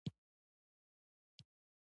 آیا موږ مړه کیږو؟